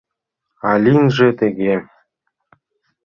А лийынже тыге.